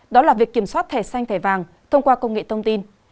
đó là việc kiểm soát thẻ xanh thẻ vàng thông qua công nghệ thông tin